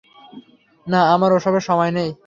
না, আমার ওসবের সময় নেই।